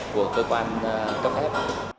của cơ quan cấp ép